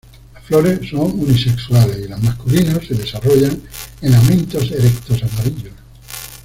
Las flores son unisexuales, y las masculinas se desarrollan en amentos erectos amarillos.